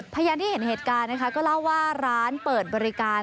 พยานที่เห็นเหตุการณ์นะคะก็เล่าว่าร้านเปิดบริการ